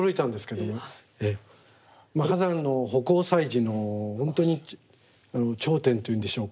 波山の葆光彩磁の本当に頂点というんでしょうか。